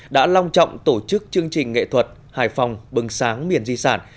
đã long trọng tổ chức chương trình nghệ thuật hải phòng bừng sáng miền di sản